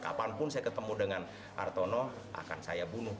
kapanpun saya ketemu dengan hartono akan saya bunuh